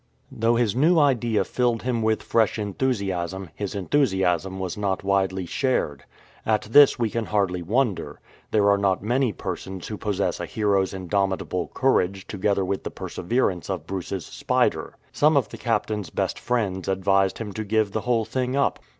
Though his new idea filled him with fresh enthusiasm, his enthusiasm was not widely shared. At this we can hardly wonder. There are not many persons who possess a hero's indomitable courage together with the persever ance of Bruce's spider. Some of the Captain'^s best friends advised him to give the whole thing up.